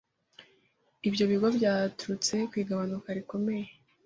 ibyo bigo byaturutse ku igabanuka rikomeye